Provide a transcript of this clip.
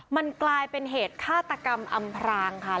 มันกลายเป็นเหตุฆาตกรรมอำพรางค่ะ